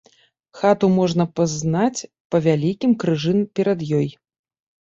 Хату можна пазнаць па вялікім крыжы перад ёй.